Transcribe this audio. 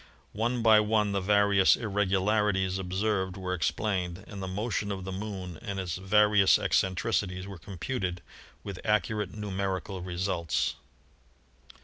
One by one the various irregularities observed were explained, and the motion of the Moon and its various eccentricities were computed with accurate numerical results.